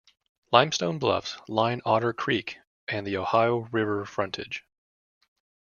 Limestone bluffs line Otter Creek and the Ohio River frontage.